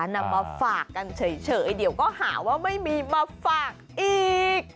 นำมาฝากกันเฉยเดี๋ยวก็หาว่าไม่มีมาฝากอีก